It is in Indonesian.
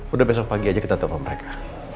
udah besok pagi aja kita telepon mereka